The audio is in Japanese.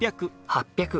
８００。